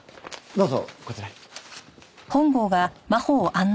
どうぞこちらへ。